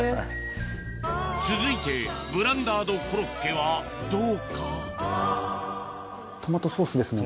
続いてブランダードコロッケはどうかトマトソースですね。